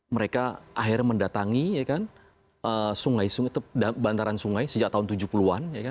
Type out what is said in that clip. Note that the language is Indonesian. mereka akhirnya mendatangi sungai sungai bantaran sungai sejak tahun tujuh puluh an